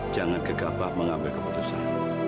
jangan gegabah mengambil keputusan